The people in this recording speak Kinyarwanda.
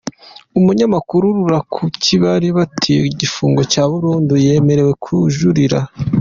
Umunyamakuru Ruvakuki bari bakatiye igifungo cya burundu yemerewe kujurira